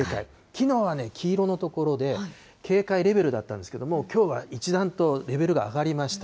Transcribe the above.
きのうはね、黄色の所で警戒レベルだったんですけど、きょうは一段とレベルが上がりました。